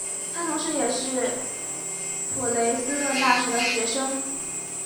他同时也是普雷斯顿大学的学生。